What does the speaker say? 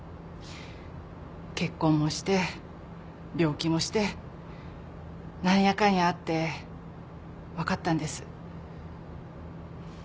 結婚もして病気もして何やかんやあって分かったんです